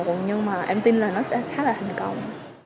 nhưng em tin là nó sẽ khá là thành công